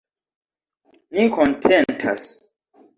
Ni kontentas.